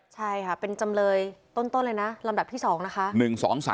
ใช่ค่ะเป็นจำเลยต้นเลยนะลำดับที่๒นะคะ